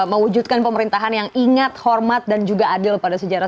mewujudkan pemerintahan yang ingat hormat dan juga adil pada sejarah